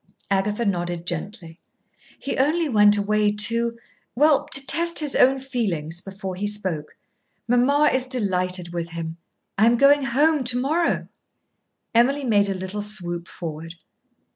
Agatha nodded gently. "He only went away to well, to test his own feelings before he spoke. Mamma is delighted with him. I am going home to morrow." Emily made a little swoop forward.